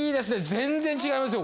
全然違いますよ